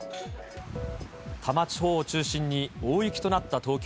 多摩地方を中心に大雪となった東京。